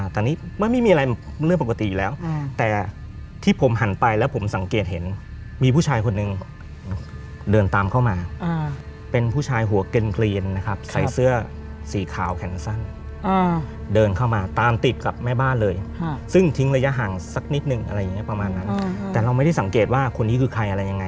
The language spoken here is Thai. ตอนนี้ไม่มีอะไรเรื่องปกติอยู่แล้วแต่ที่ผมหันไปแล้วผมสังเกตเห็นมีผู้ชายคนหนึ่งเดินตามเข้ามาเป็นผู้ชายหัวเกรนนะครับใส่เสื้อสีขาวแขนสั้นเดินเข้ามาตามติดกับแม่บ้านเลยซึ่งทิ้งระยะห่างสักนิดนึงอะไรอย่างนี้ประมาณนั้นแต่เราไม่ได้สังเกตว่าคนนี้คือใครอะไรยังไง